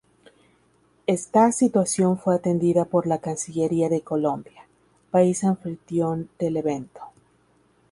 Esta situación fue atendida por la cancillería de Colombia, país anfitrión del evento.